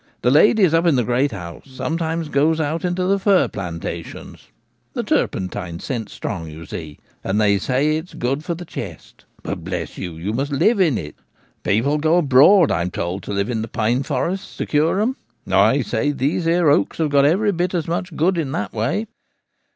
The ladies up in the great house some times goes out into the fir plantations — the turpentine scents strong, you see — and they say it's good for the chest ; but, bless you, you must live in it. People go abroad, I'm told, to live in the pine forests to cure 'em : I say these here oaks have got every bit as much good in that way.